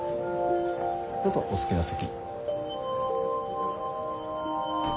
どうぞお好きな席。